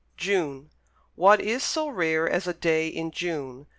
And what is so rare as a day in June?